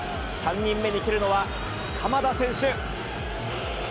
３人目に蹴るのは鎌田選手。